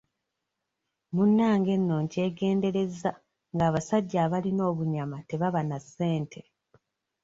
Munnange nno nkyegenderezza ng'abasajja abalina obunyama tebaba na ssente.